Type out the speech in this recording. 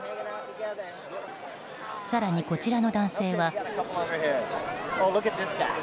更に、こちらの男性は。